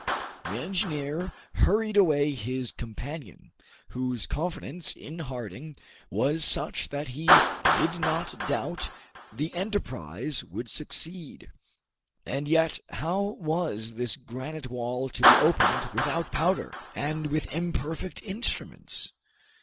The engineer hurried away his companion, whose confidence in Harding was such that he did not doubt the enterprise would succeed. And yet, how was this granite wall to be opened without powder, and with imperfect instruments?